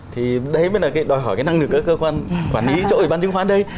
thì đấy mới là cái đòi hỏi cái năng lực của cơ quan quản lý chỗ ủy ban chứng khoán đây